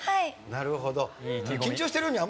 なるほど。